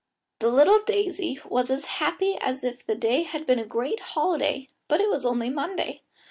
The little daisy was as happy as if the day had been a great holiday, but it was only Monday.